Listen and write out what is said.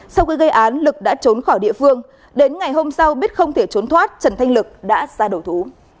sau khi gây án lực đã trốn khỏi địa phương đến ngày hôm sau biết không thể trốn thoát trần thanh lực đã ra đầu thú